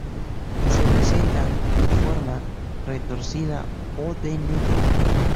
Se presentan en forma retorcida o de nudo.